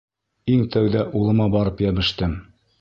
Иң тәүҙә улыма барып йәбештем.